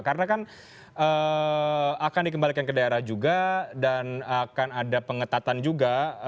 karena kan akan dikembalikan ke daerah juga dan akan ada pengetatan juga